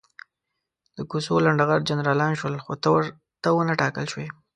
د کوڅو لنډه غر جنرالان شول، خو ته ونه ټاکل شوې.